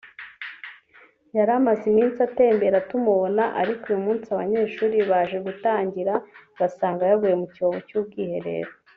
yari amaze iminsi atembera tumubona ariko uyu munsi abanyeshuri baje gutangira basanga yaguye mu cyobo cy’ubwiherero